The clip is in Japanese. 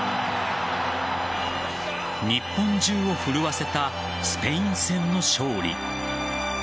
日本中を震わせたスペイン戦の勝利。